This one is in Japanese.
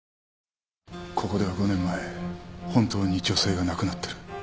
ここでは５年前本当に女性が亡くなってる。